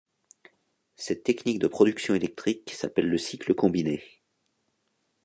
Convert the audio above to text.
Cette technique de production électrique s'appelle le cycle combiné.